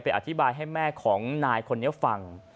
อธิบายให้แม่ของนายคนนี้ฟัง